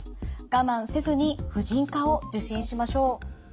我慢せずに婦人科を受診しましょう。